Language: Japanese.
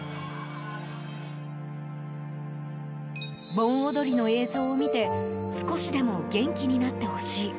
盆踊りの映像を見て少しでも元気になってほしい。